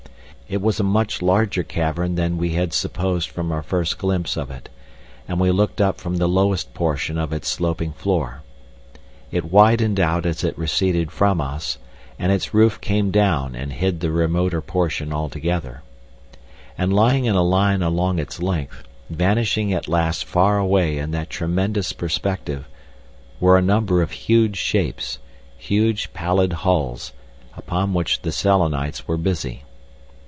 It was a much larger cavern than we had supposed from our first glimpse of it, and we looked up from the lowest portion of its sloping floor. It widened out as it receded from us, and its roof came down and hid the remoter portion altogether. And lying in a line along its length, vanishing at last far away in that tremendous perspective, were a number of huge shapes, huge pallid hulls, upon which the Selenites were busy.